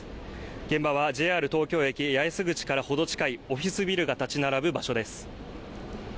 現場はＪＲ東京駅八重洲口からほど近いオフィスビルが建ち並ぶ場所です